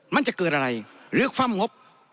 มันจะเกิดอะไรหรือฟ่ำงบ